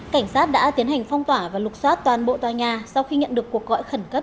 cảnh sát đã tiến hành phong tỏa và lục xoát toàn bộ tòa nhà sau khi nhận được cuộc gọi khẩn cấp chín trăm một mươi một